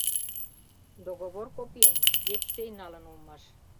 Договор копийым Епсей налын улмаш.